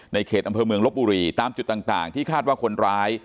เขตอำเภอเมืองลบบุรีตามจุดต่างที่คาดว่าคนร้าย